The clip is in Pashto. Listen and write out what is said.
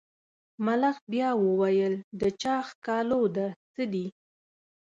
ملخ بیا وویل د چا ښکالو ده څه دي.